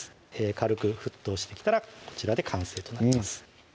軽く沸騰してきたらこちらで完成となります